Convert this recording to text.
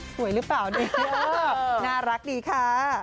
สวยหรือเปล่าดูน่ารักดีค่ะ